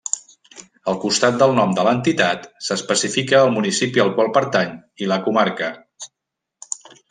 Al costat del nom de l'entitat s'especifica el municipi al qual pertany i la comarca.